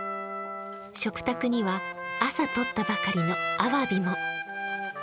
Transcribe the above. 食卓には朝とったばかりのあわびも。